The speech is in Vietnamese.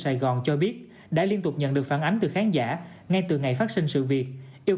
sài gòn cho biết đã liên tục nhận được phản ánh từ khán giả ngay từ ngày phát sinh sự việc yêu